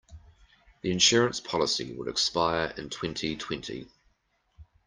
The insurance policy will expire in twenty-twenty.